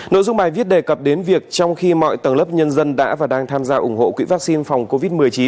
nội dung bài viết đề cập đến việc trong khi mọi tầng lớp nhân dân đã và đang tham gia ủng hộ quỹ vaccine phòng covid một mươi chín